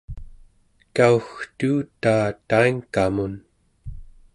kaugtuutaa taingkamun